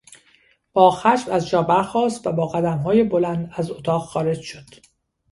با خشم از جا برخاست و با قدمهای بلند از اتاق خارج شد.